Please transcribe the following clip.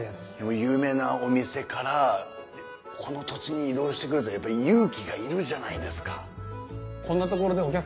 有名なお店からこの土地に移動して来るって勇気がいるじゃないですか。